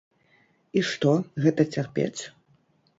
І што, гэта цярпець?